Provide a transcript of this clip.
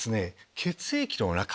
血液の中。